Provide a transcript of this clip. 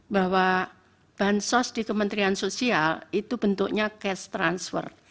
bahwa bansos di kementerian sosial itu bentuknya cash transfer